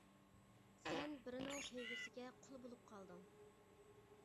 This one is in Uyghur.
سەن بىرىنىڭ سۆيگۈسىگە قۇل بولۇپ قالدىڭ.